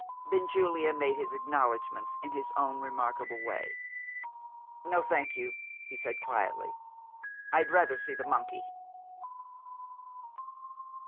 Benjulia made his acknowledgments in his own remarkable way. "No, thank you," he said, quietly, "I'd rather see the monkey."